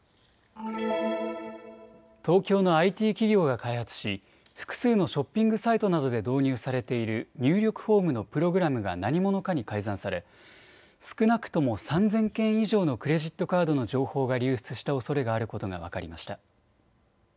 東京のＩＴ企業が開発し複数のショッピングサイトなどで導入されている入力フォームのプログラムが何者かに改ざんされ少なくとも３０００件以上のクレジットカードの情報が流出したおそれがあることが分かりました。